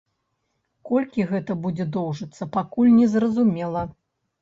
Колькі гэта будзе доўжыцца, пакуль незразумела.